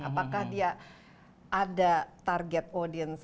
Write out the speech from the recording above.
apakah dia ada target audience